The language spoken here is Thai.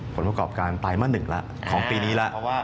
ผลประกอบการไตรมาส๑แล้วของปีนี้แล้ว